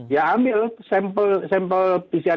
ya ambil sampel pcr